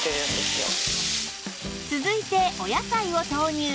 続いてお野菜を投入